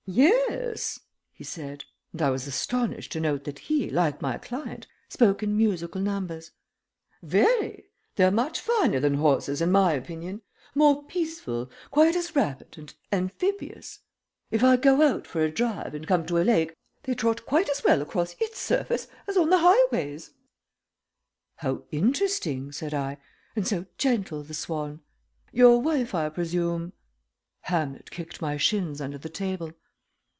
"Yes," he said, and I was astonished to note that he, like my client, spoke in musical numbers. "Very. They're much finer than horses, in my opinion. More peaceful, quite as rapid, and amphibious. If I go out for a drive and come to a lake they trot quite as well across its surface as on the highways." "How interesting!" said I. "And so gentle, the swan. Your wife, I presume " Hamlet kicked my shins under the table.